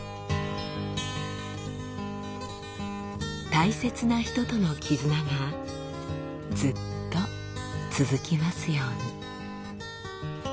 大切な人との絆がずっと続きますように。